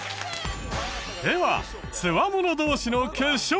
ではつわもの同士の決勝戦。